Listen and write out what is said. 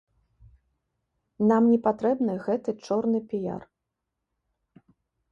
Нам не патрэбны гэты чорны піяр.